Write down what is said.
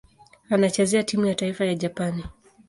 Anachezea timu ya taifa ya Japani.